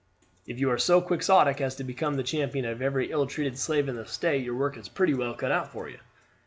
If you are so quixotic as to become the champion of every ill treated slave in the State, your work is pretty well cut out for you."